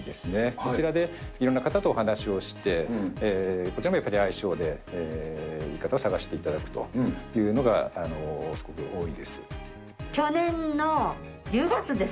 こちらでいろんな方とお話をして、こちらもやはり相性で、いい方を探していただくというのがすごく去年の１０月です。